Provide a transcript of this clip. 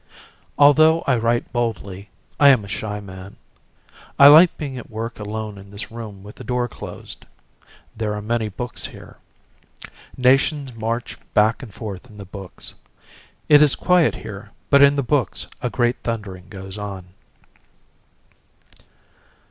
Although I write boldly I am a shy man. I like being at work alone in this room with the door closed. There are many books here. Nations march back and forth in the books. It is quiet here but in the books a great thundering goes on.